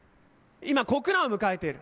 今、国難を迎えている。